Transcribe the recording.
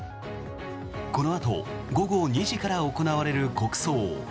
このあと午後２時から行われる国葬。